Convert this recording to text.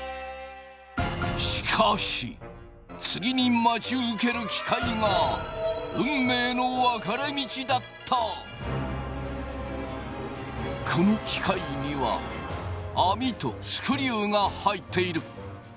しかし次に待ち受ける機械がこの機械には網とスクリューが入っている。